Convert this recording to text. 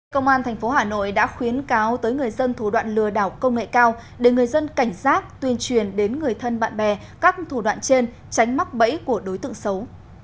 công an tp hà nội đã khuyến cáo tới người dân thủ đoạn lừa đảo công nghệ cao để người dân cảnh giác tuyên truyền đến người thân bạn bè các thủ đoạn trên tránh mắc bẫy của đối tượng xấu